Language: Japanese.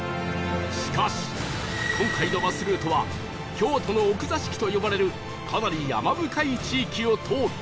しかし今回のバスルートは京都の奥座敷と呼ばれるかなり山深い地域を通っていく